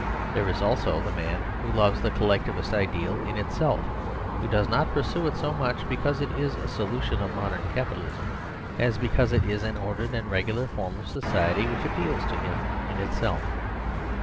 There is also (b) the man who loves the Collectivist ideal in itself, who does not pursue it so much because it is a solution of modern Capitalism, as because it is an ordered and regular form of society which appeals to him in itself.